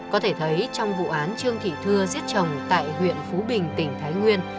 có thể thấy trong vụ án trương thị thưa giết chồng tại huyện phú bình tỉnh thái nguyên